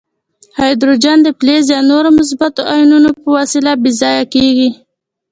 هایدروجن د فلز یا نورو مثبتو آیونونو په وسیله بې ځایه کیږي.